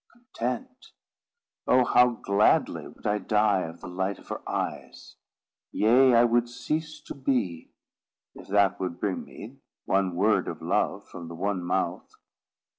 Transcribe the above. Content!—Oh, how gladly would I die of the light of her eyes! Yea, I would cease to be, if that would bring me one word of love from the one mouth.